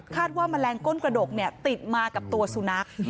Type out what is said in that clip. คาดว่ามะแรงกระโดกติดมากับสุนัก